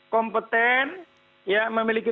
kompeten ya memiliki